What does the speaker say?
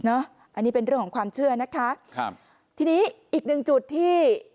อันนี้เป็นเรื่องของความเชื่อนะคะครับทีนี้อีกหนึ่งจุดที่